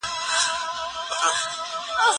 زه بايد سندري واورم!؟